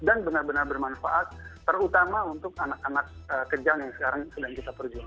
dan benar benar bermanfaat terutama untuk anak anak kejang yang sekarang sedang kita perjuangkan